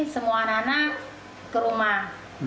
semua anak anak ke rumah